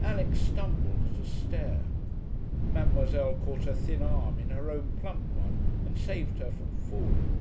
Alix stumbled at a stair. Mademoiselle caught her thin arm in her own plump one and saved her from falling.